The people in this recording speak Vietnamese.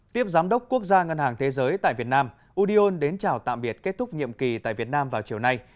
tiếp giám đốc quốc gia ngân hàng thế giới tại việt nam udion đến chào tạm biệt kết thúc nhiệm kỳ tại việt nam vào chiều nay